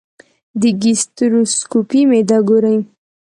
د ګیسټروسکوپي معده ګوري.